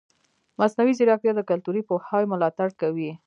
مصنوعي ځیرکتیا د کلتوري پوهاوي ملاتړ کوي.